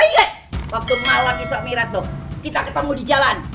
lo inget waktu malam iso pirat tuh kita ketemu di jalan